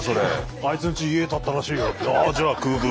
「あいつんち家建ったらしいよ」。